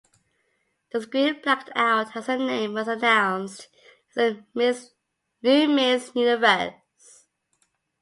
The screen blacked out as her name was announced as the new Miss Universe.